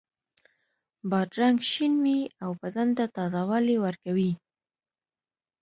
بادرنګ شین وي او بدن ته تازه والی ورکوي.